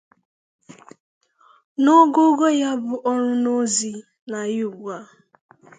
na ogoogo ya bụ ọrụ nọzị na ya ugbua